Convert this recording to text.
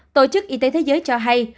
tổ chức y tế thế giới cho hay